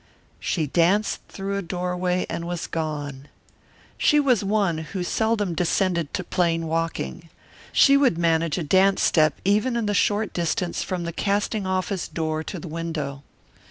She danced through a doorway and was gone she was one who seldom descended to plain walking. She would manage a dance step even in the short distance from the casting office door to the window.